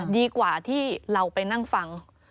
ดีกว่าที่เราไปนั่งฟัง